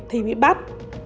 thì bị bắt